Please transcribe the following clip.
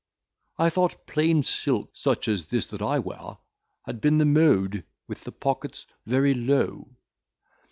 I thought plain silk, such as this that I wear, had been the mode, with the pockets very low."